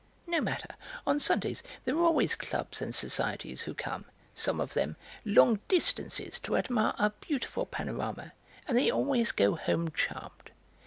No matter, on Sundays there are always clubs and societies, who come, some of them, long distances to admire our beautiful panorama, and they always go home charmed.